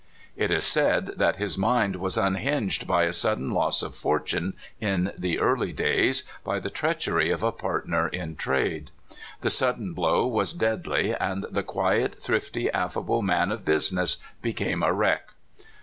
It is said that his mind was unhinged by a sudden loss of fortune in the early days, by the treachery of a partner in trade. The sudden blow was deadly, and the quiet, thrifty, affable man of business became a wreck.